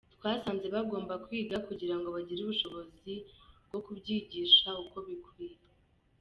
Twasanze bagomba kwiga kugira ngo bagire ubushobozi bwo kubyigisha uko bikwiriye.